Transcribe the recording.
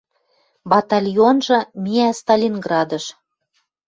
Батальонжы миӓ Сталинградыш